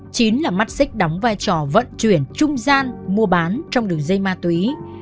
chín là mắt xích đóng vai trò vận chuyển trung gian mua bán trong đường dây ma túy do lê văn thọ cầm đầu